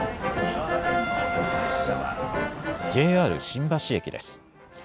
ＪＲ新橋駅です。